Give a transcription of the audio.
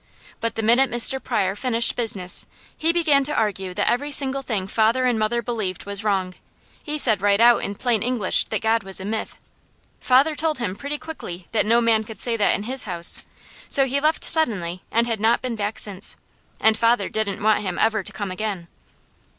But the minute Mr. Pryor finished business he began to argue that every single thing father and mother believed was wrong. He said right out in plain English that God was a myth. Father told him pretty quickly that no man could say that in his house; so he left suddenly and had not been back since, and father didn't want him ever to come again.